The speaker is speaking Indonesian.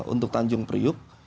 untuk tanjung priuk